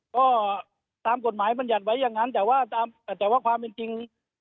ก็ตามกฎหมายบรรยัติไว้อย่างนั้นแต่ว่าแต่ว่าความเป็นจริง